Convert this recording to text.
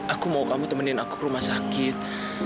aku mau kamu temenin aku ke rumah sakit